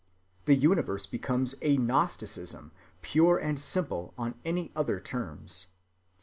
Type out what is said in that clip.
The universe becomes a gnosticism(361) pure and simple on any other terms.